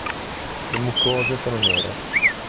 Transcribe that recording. Le mucose sono nere.